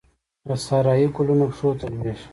د سارايي ګلونو پښو ته لویږې